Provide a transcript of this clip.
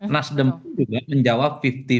nasdem juga menjawab lima puluh lima puluh